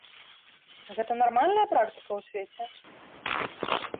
Гэта нармальная практыка ў свеце?